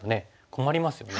困りますよね。